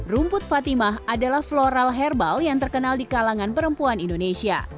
rumput fatimah adalah floral herbal yang terkenal di kalangan perempuan indonesia